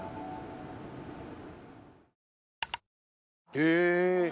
へえ。